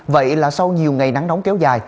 vậy là sau nhiều ngày nắng nóng kéo dài